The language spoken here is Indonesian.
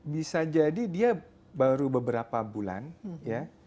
bisa jadi dia baru beberapa bulan ya